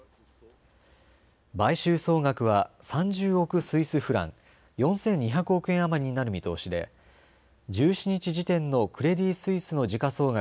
買収総額は３０億スイスフラン、４２００億円余りになる見通しで１７日時点のクレディ・スイスの時価総額